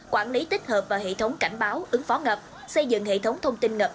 quản lý tích hợp vào hệ thống cảnh báo ứng phó ngập xây dựng hệ thống thông tin ngập